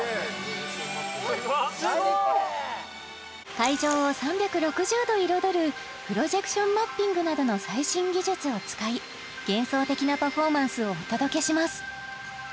会場を３６０度彩るプロジェクションマッピングなどの最新技術を使い幻想的なパフォーマンスをお届けします